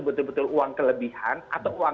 betul betul uang kelebihan atau uang